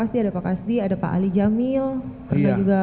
ada pak kasdi pak ali jamil ada juga